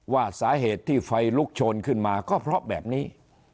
ว่าสาเหตุที่ไฟลุกโชนขึ้นมาก็เพราะแบบนี้